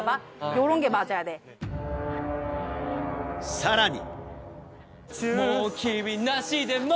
さらに。